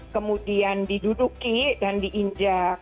kemudian diduduki dan diinjak